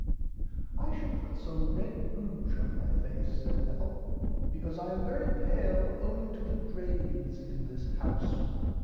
I shall put some red ruge on my face said Ethel because I am very pale owing to the drains in this house.